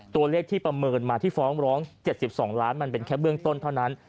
ตัวเลขที่ประเมินมาที่ฟ้องร้อง๗๒ล้านมันเป็นแค่เบื้องต้นเท่านั้น